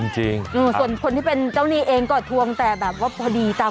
จริงส่วนคนที่เป็นเจ้าหนี้เองก็ทวงแต่แบบว่าพอดีตาม